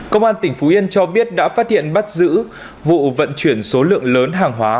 công an tỉnh phú yên cho biết đã phát hiện bắt giữ vụ vận chuyển số lượng lớn hàng hóa